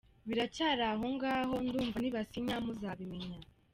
Biracyari aho ngaho ndumva nibasinya muzabimenya.